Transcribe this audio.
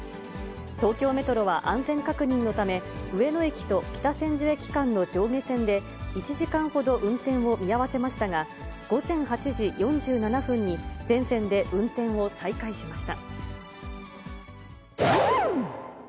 東京メトロは安全確認のため、上野駅と北千住駅間の上下線で１時間ほど運転を見合わせましたが、午前８時４７分に全線で運転を再開しました。